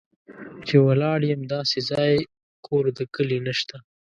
چې ولاړ یم داسې ځای، کور د کلي نه شته